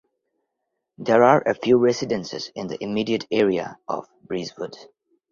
There are few residences in the immediate area of Breezewood.